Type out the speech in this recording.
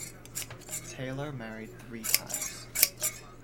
Taylor married three times.